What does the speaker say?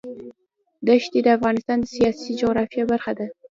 دښتې د افغانستان د سیاسي جغرافیه برخه ده.